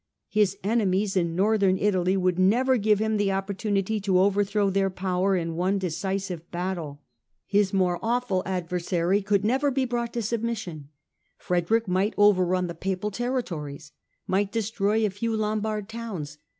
His enemies in Northern Italy would never give him the opportunity to over throw their power in one decisive battle. His more awful adversary could never be brought to submission. Frederick might overrun the Papal territories, might destroy a few Lombard towns.